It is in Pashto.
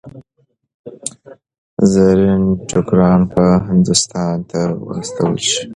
زرین ټوکران به هندوستان ته واستول شي.